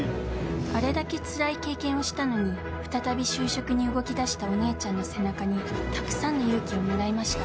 「あれだけつらい経験をしたのに再び就職に動きだしたお姉ちゃんの背中にたくさんの勇気をもらいました」。